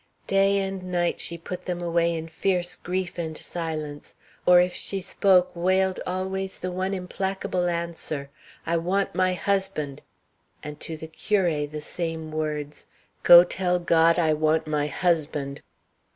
Day and night she put them away in fierce grief and silence, or if she spoke wailed always the one implacable answer, "I want my husband!" And to the curé the same words, "Go tell God I want my husband!"